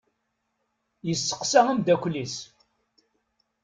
Yesseqsa amdakel-is.